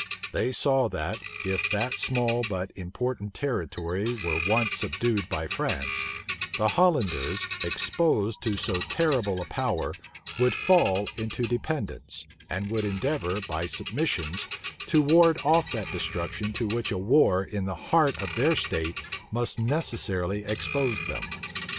They saw that, if that small but important territory were once subdued by France, the Hollanders, exposed to so terrible a power, would fall into dependence, and would endeavor, by submissions, to ward off that destruction to which a war in the heart of their state must necessarily expose them.